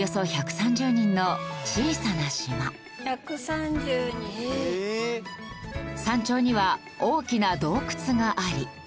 山頂には大きな洞窟があり。